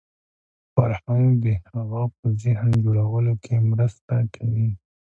فرهنګ د هغه په ذهن جوړولو کې مرسته کوي